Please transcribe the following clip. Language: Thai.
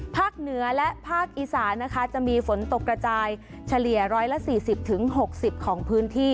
เหนือและภาคอีสานนะคะจะมีฝนตกกระจายเฉลี่ย๑๔๐๖๐ของพื้นที่